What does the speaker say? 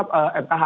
belum yang ditulis